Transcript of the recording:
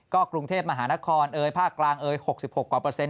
ก็กรุงเทพมหานครภาคกลาง๖๖กว่าเปอร์เซ็นต์